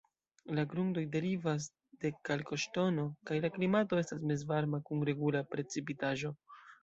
La grundoj derivas de kalkoŝtono, kaj la klimato estas mezvarma kun regula precipitaĵo.